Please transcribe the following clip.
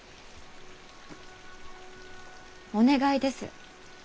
お願いです。